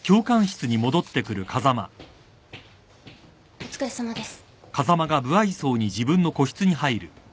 お疲れさまです。